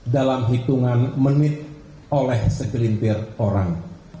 dalam hitungan menit oleh segelintir orang